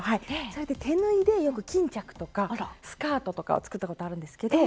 それで手縫いで巾着とかスカートとかを作ったことあるんですけど。